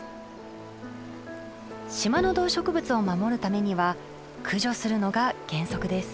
島の動植物を守るためには駆除するのが原則です。